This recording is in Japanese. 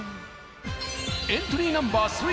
エントリーナンバー３